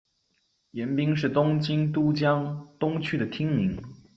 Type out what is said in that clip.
盐滨是东京都江东区的町名。